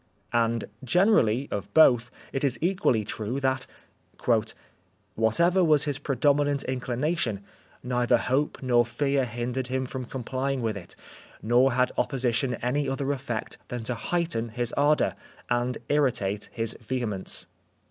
And, generally, of both it is equally true, that :" Whatever was his predominant inclination, neither hope nor fear hindered him from com plying with it ; nor had opposition any other effect than to heighten his ardour, and irritate his vehemence."